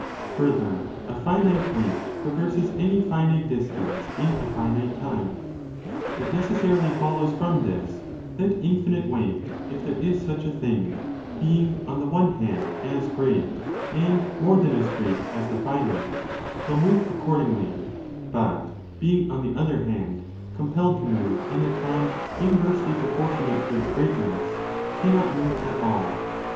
Further,a finite weight traverses any finite distance in a finite time. It necessarily follows from this that infinite weight, if there is such a thing, being, on the one 5 hand, as great and more than as great as the finite,' will move accordingly, but being, on the other hand, compelled to move in a time inversely proportionate to its greatness, cannot move at all.